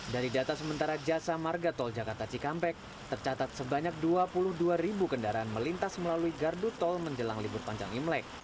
dari data sementara jasa marga tol jakarta cikampek tercatat sebanyak dua puluh dua ribu kendaraan melintas melalui gardu tol menjelang libur panjang imlek